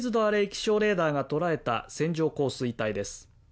気象レーダーが捉えた線状降水帯です